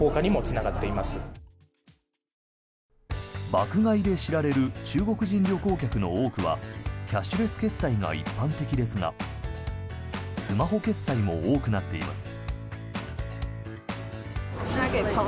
爆買いで知られる中国人旅行客の多くはキャッシュレス決済が一般的ですがスマホ決済も多くなっています。